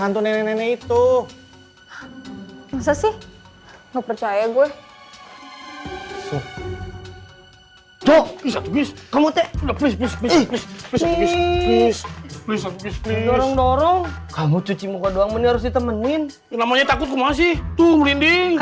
dorong dorong kamu cuci muka doang menurut temenin namanya takut masih tuh merinding